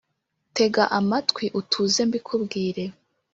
tega amatwi utuze mbikubwire